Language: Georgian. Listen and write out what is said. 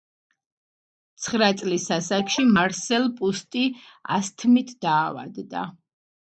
ცხრა წლის ასაკში მარსელ პრუსტი ასთმით დაავადდა.